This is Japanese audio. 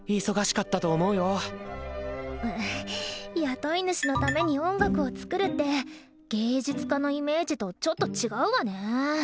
雇い主のために音楽を作るって芸術家のイメージとちょっと違うわね。